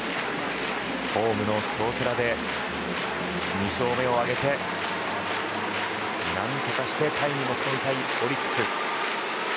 ホームの京セラで２勝目を挙げて何とかしてタイに持ち込みたいオリックス。